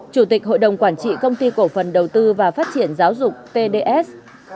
chủ tịch hội đồng quản trị công ty cổ phần đầu tư và phát triển giáo dục pds